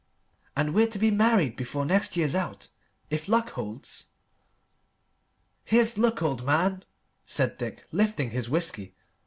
And we're to be married before next year's out, if luck holds." "Here's luck, old man!" said Dick, lifting his whisky.